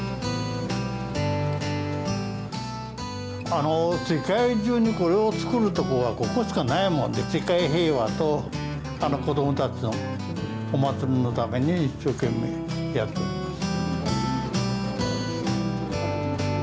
あの世界中に、これを作る所はここしかないもんで世界平和と子どもたちのお祭りのために一生懸命やってます。